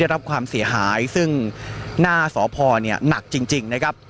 รับความเสียหายซึ่งหน้าสพเนี่ยหนักจริงนะครับ